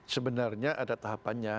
sebenarnya ada tahapannya